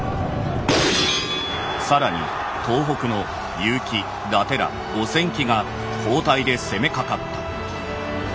更に東北の結城・伊達ら五千騎が交代で攻めかかった」。